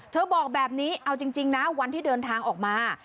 บอกแบบนี้เอาจริงนะวันที่เดินทางออกมา